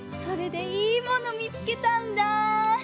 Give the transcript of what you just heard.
それでいいものみつけたんだ。